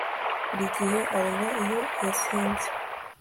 Buri gihe ararira iyo yasinze